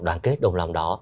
đoàn kết đồng lòng đó